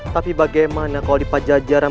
tapi bagaimana kalau di pajajaran